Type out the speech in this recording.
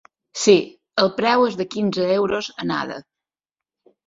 Sí, el preu és de quinze euros, anada.